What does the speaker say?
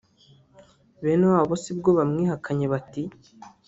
Bene wabo sibwo bamwihakanye bati